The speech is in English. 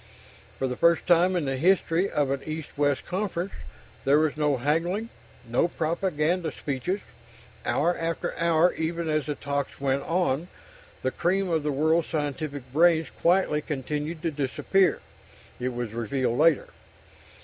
For the first time in the history of an East West conference, there was no haggling, no propaganda speeches. Hour after hour, even as the talks went on, the cream of the world's scientific brains quietly continued to disappear, it was revealed later.